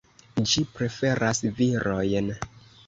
Ĝi preferas virojn.